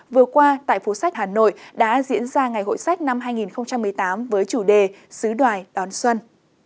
vừa qua tại phố sách hà nội đã diễn ra ngày hội sách năm hai nghìn một mươi tám với chủ đề sứ đoài đón xuân